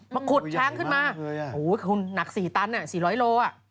มาขุดช้างขึ้นมาหนัก๔ตัน๔๐๐โลกรัม